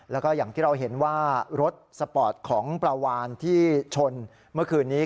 แล้วก็อย่างที่เราเห็นว่ารถสปอร์ตของปลาวานที่ชนเมื่อคืนนี้